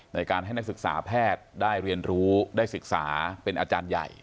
ในการให้นักศึกษาแพทย์ได้เรียนรู้ได้ศึกษาเป็นอาจารย์ใหญ่